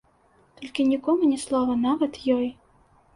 Толькі нікому ні слова, нават ёй.